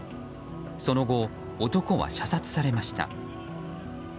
その後、男は射殺されました。